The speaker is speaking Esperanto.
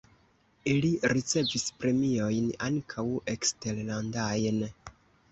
Li ricevis premiojn (ankaŭ eksterlandajn).